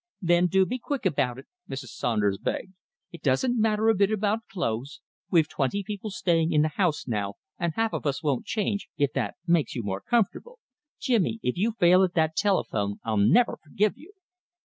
"Then do be quick about it," Mrs. Saunders begged, "It doesn't matter a bit about clothes. We've twenty people staying in the house now, and half of us won't change, if that makes you more comfortable. Jimmy, if you fail at that telephone I'll never forgive you."